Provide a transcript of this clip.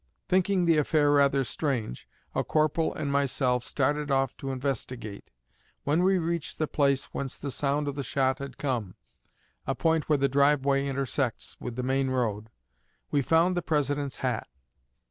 Thinking the affair rather strange, a corporal and myself started off to investigate. When we reached the place whence the sound of the shot had come a point where the driveway intersects, with the main road we found the President's hat.